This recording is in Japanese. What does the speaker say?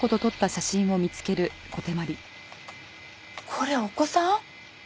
これお子さん？